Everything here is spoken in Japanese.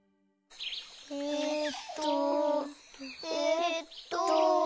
えっとえっと。